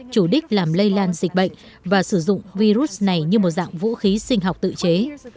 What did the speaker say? chủ đích làm lây lan dịch bệnh và sử dụng virus này như một dạng vũ khí sinh học tự chế